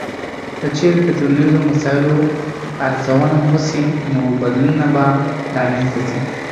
که چیرې د ټولنیزو مسایلو ارزونه وسي، نو بدلونونه به رامنځته سي.